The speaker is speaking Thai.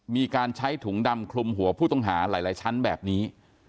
มีการใช้ถุงดำคลุมหัวผู้ต้องหาหลายชั้นแบบนี้